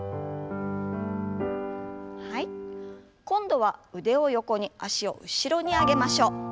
今度は腕を横に脚を後ろに上げましょう。